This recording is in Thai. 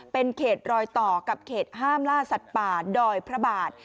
เป็นเขตรอยต่อกับเขตห้ามล่าสัตว์ป่าดอยพระบาท